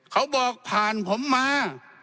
เขาบอกผ่านผมมา